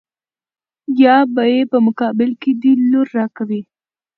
يا به يې په مقابل کې دې لور را کوې.